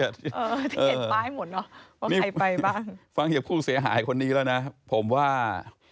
ที่เห็นป้ายหมดเนอะว่าใครไปบ้างฟังจากผู้เสียหายคนนี้แล้วนะผมว่า